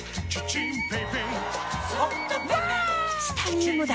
チタニウムだ！